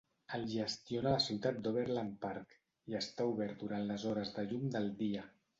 El gestiona la ciutat d'Overland Park, i està obert durant les hores de llum del dia.